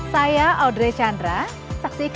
kalau pak bisa berapa pak